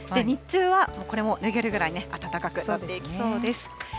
日中は、これも脱げるぐらい暖かくなっていきそうです。